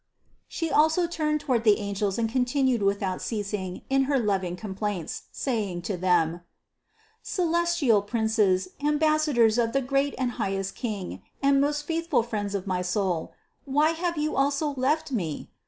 681. She also turned toward the angels and continued without ceasing in her loving complaints, saying to them : "Celestial Princes, ambassadors of the great and highest King and most faithful friends of my soul : why have you also left me